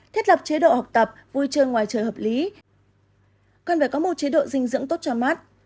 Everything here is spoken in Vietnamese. thiết lập chế độ học tập vui chơi ngoài trời hợp lý cần phải có một chế độ dinh dưỡng tốt cho mát